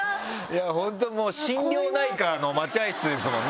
本当もう心療内科の待合室ですもんね。